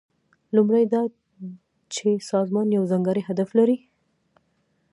لومړی دا چې سازمان یو ځانګړی هدف لري.